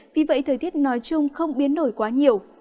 vì vậy thời tiết nói chung không biến đổi quá nhiều